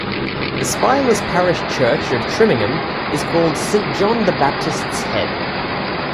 The spireless parish church of Trimingham is called Saint John the Baptist's Head.